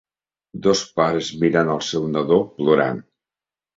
Dos pares mirant el seu nadó plorant.